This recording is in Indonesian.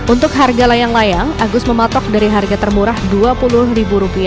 untuk harga layang layang agus mematok dari harga termurah rp dua puluh